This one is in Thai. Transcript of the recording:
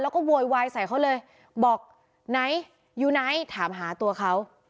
แล้วก็โวยวายใส่เขาเลยบอกไหนอยู่ไหนถามหาตัวเขา